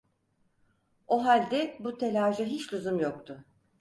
O halde bu telaşa hiç lüzum yoktu.